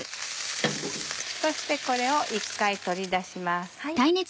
そしてこれを一回取り出します。